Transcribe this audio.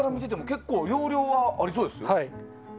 結構、容量はありそうですよ。